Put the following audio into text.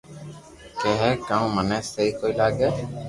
ڪي ھي ڪاو مني سھي ڪوئي لاگي